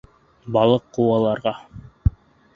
Балыҡ ҡыуаларға.